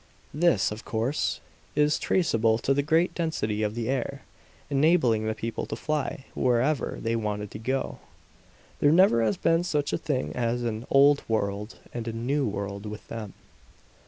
This, of course, is traceable to the great density of the air, enabling the people to fly wherever they wanted to go. There never has been such a thing as an 'Old World' and a 'New World' with them.